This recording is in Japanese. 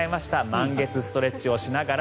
満月ストレッチをしながら